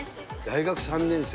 大学３年生。